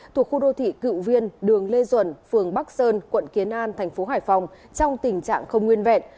thuộc khu đô thị cựu viên đường lê duẩn phường bắc sơn quận kiến an thành phố hải phòng trong tình trạng không nguyên vẹn